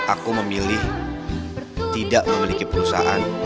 aku memilih tidak memiliki perusahaan